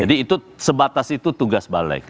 jadi itu sebatas itu tugas balik